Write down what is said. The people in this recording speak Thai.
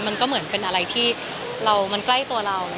มันก็เหมือนเป็นอะไรที่มันใกล้ตัวเราเลยนะค่ะ